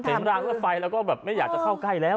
รางรถไฟแล้วก็แบบไม่อยากจะเข้าใกล้แล้ว